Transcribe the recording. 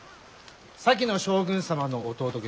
先の将軍様の弟君